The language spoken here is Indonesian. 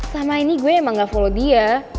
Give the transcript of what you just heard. sama ini gue emang gak follow dia